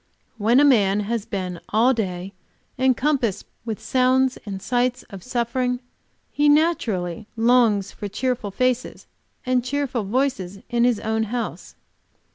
When a man has been all day encompassed with sounds and sights of suffering, he naturally longs for cheerful faces and cheerful voices in his own house.